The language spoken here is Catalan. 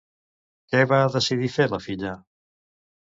Què va decidir fer la filla?